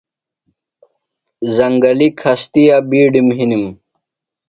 زنگلیۡ کھستِی بُٹِم ہِنِم۔